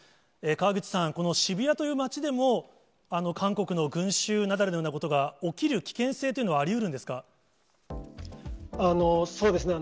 川口さん、この渋谷という街でも、韓国の群集雪崩のようなことが起きる危険性というのは、ありうるそうですね。